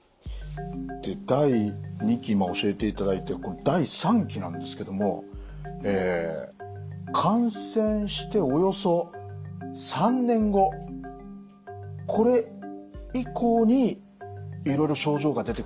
で第２期教えていただいて第３期なんですけども感染しておよそ３年後これ以降にいろいろ症状が出てくるということなんですが。